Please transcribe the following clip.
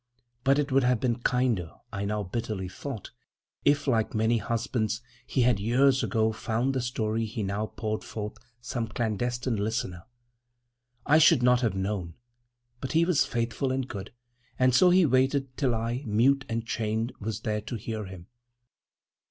But it would have been kinder, I now bitterly thought, if, like many husbands, he had years ago found for the story he now poured forth some clandestine listener; I should not have known. But he was faithful and good, and so he waited till I, mute and chained, was there to hear him.